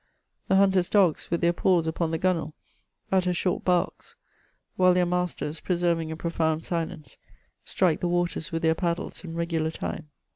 The hunters* dogs, with their paws upon the gunwale, utter short barks, while their masters, preserving a profound silence, strike the waters with their paddles in regular time.